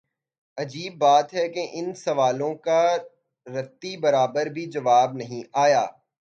عجیب بات ہے کہ ان سوالوں کا رتی برابر بھی جواب نہیںآیا۔